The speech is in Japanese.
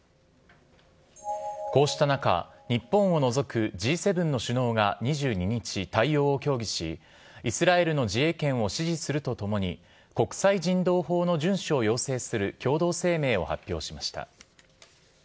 こうした中、日本を除くＧ７の首脳が２２日、対応を協議し、イスラエルの自衛権を支持するとともに、国際人道法の順守を要請する共同声明を発表しました。